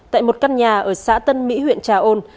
tại một căn nhà ở xã tân mỹ huyện trà ôn